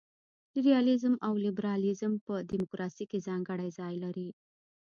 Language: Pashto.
ریالیزم او لیبرالیزم په دموکراسي کي ځانګړی ځای لري.